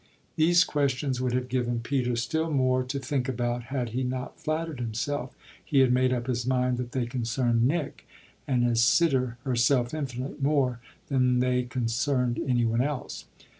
These questions would have given Peter still more to think about had he not flattered himself he had made up his mind that they concerned Nick and his sitter herself infinitely more than they concerned any one else.